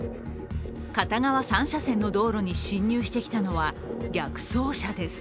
片側３車線の道路に侵入してきたのは逆走車です。